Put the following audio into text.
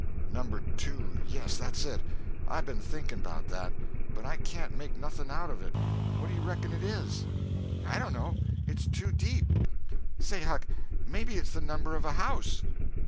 "Number Two—yes, that's it. I been thinking 'bout that. But I can't make nothing out of it. What do you reckon it is?" "I dono. It's too deep. Say, Huck—maybe it's the number of a house!"